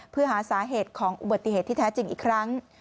เพื่อหาสาเหตุของอุบัติเหตุที่แท้จริงอีกครั้ง